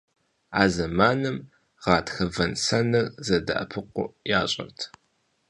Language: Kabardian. А зэманым гъатхэ вэн-сэныр зэдэӀэпыкъуу ящӀэрт.